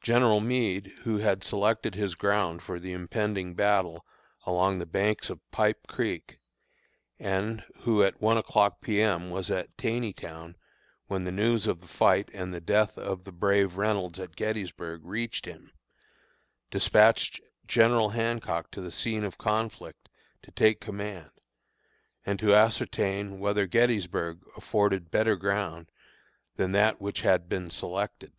General Meade, who had selected his ground for the impending battle along the banks of Pipe Creek, and who at one o'clock P. M. was at Taneytown when the news of the fight, and the death of the brave Reynolds at Gettysburg, reached him, despatched General Hancock to the scene of conflict to take command, and to ascertain whether Gettysburg afforded better ground than that which had been selected.